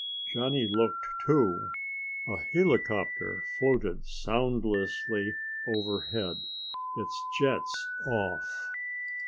Johnny looked too. A helicopter floated soundlessly overhead, its jets off.